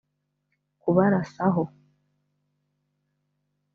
kubarasaho